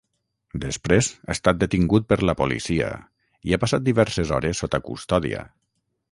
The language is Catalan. Després ha estat detingut per la policia i ha passat diverses hores sota custòdia.